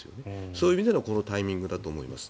そういう意味でのこのタイミングだと思います。